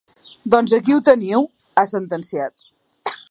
Doncs aquí ho teniu, ha sentenciat.